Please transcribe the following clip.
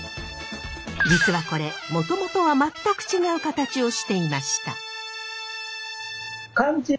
実はこれもともとは全く違う形をしていました。